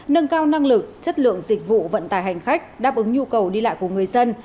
nâng cao năng lực chất lượng dịch vụ vận tải hành khách đáp ứng nhu cầu đi lại của người dân